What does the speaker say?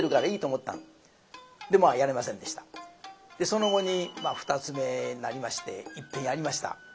その後に二ツ目になりましていっぺんやりました。